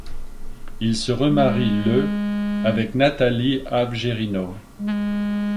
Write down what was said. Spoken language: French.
Il se remarie le avec Nathalie Avgerinos.